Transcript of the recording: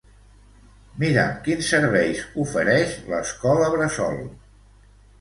Mira'm quins serveis ofereix l'escola bressol.